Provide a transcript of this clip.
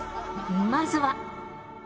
まずは。